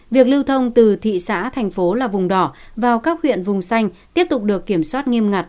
việc lưu thông từ thị xã thành phố là vùng đỏ vào các huyện vùng xanh tiếp tục được kiểm soát nghiêm ngặt